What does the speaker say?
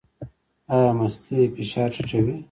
ایا مستې فشار ټیټوي؟